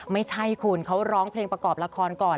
ไม่ใช่คุณเขาร้องเพลงประกอบละครก่อน